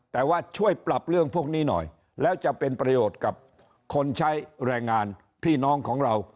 แต่ว่าช่วยปรับเรื่องพวกนี้หน่อยแล้วจะเป็นประโยชน์กับคนใช้แรงงานพี่น้องของเรา